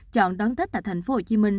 chọn đón tết tại thành phố hồ chí minh